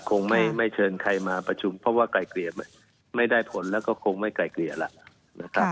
คงไม่เชิญใครมาประชุมเพราะว่าไกลเกลี่ยไม่ได้ผลแล้วก็คงไม่ไกลเกลี่ยแล้วนะครับ